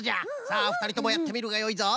さあふたりともやってみるがよいぞ。